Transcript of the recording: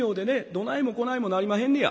どないもこないもなりまへんねや」。